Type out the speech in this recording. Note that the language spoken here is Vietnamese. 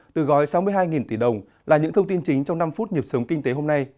từ gói sáu mươi hai tỷ đồng là những thông tin chính trong năm phút nhịp sống kinh tế hôm nay